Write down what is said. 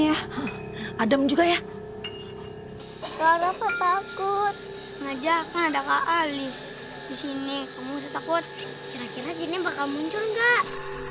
ya adam juga ya kalau takut ngajak ada kak ali di sini kamu takut kira kira jenim bakal muncul enggak